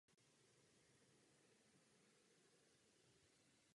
Žije v málo organizovaných společenstvích.